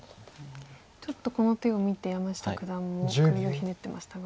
ちょっとこの手を見て山下九段も首をひねってましたが。